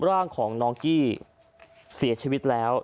ร่างของน้องกี้เสียชีวิตแล้ว